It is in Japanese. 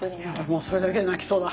もうそれだけで泣きそうだ。